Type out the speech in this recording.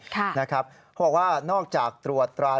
เขาบอกว่านอกจากตรวจตรา